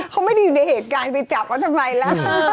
เขาไม่ได้อยู่ในเหตุการณ์ไปจับเขาทำไมล่ะ